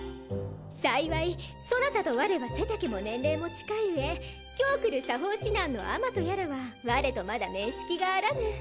幸いそなたと我は背丈も年齢も近い上今日来る作法指南の尼とやらは我とまだ面識があらぬ。